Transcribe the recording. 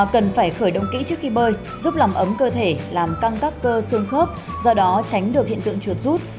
cần phải khởi động kỹ trước khi bơi giúp làm ấm cơ thể làm tăng các cơ xương khớp do đó tránh được hiện tượng chuột rút